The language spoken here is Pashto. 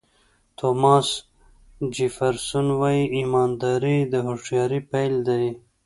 توماس جیفرسون وایي ایمانداري د هوښیارۍ پیل دی.